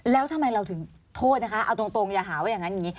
แล้วทำไมเราถึงโทษนะคะเอาตรงอย่าหาว่าอย่างนั้นอย่างนี้